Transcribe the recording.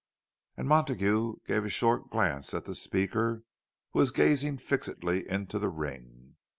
And Montague gave a short glance at the speaker, who was gazing fixedly into the ring.